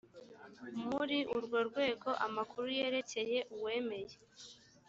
muri urwo rwego amakuru yerekeye uwemeye